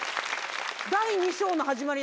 第２章の始まり